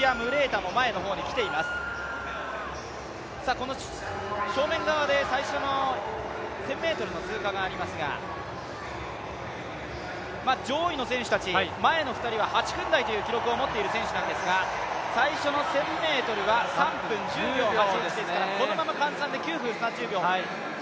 この正面側で最初の１０００ｍの通過がありますが、上位の選手たち、前の２人は８分台という記録を持っている選手なんですが、最初の１０００ｍは３分１０秒８１ですから、このまま換算で９分３０秒。